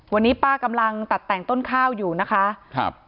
วันนี้ป้ากำลังตัดแต่งต้นข้าวอยู่นะคะครับ